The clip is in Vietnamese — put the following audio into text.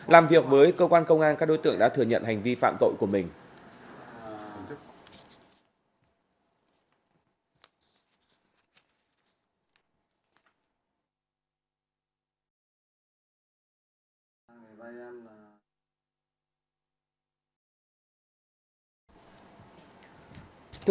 làm việc với cơ quan công an các đối tượng đã thừa nhận hành vi phạm tội của mình